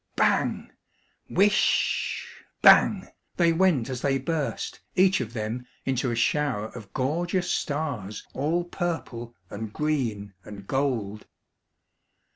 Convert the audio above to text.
Whish! bang! whish! bang! they went as they burst, each of them, into a shower of gorgeous stars all purple, and green, and gold.